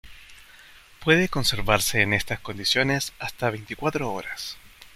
Puede conservarse en estas condiciones hasta veinticuatro horas.